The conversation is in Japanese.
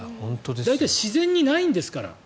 大体、自然にないんですから。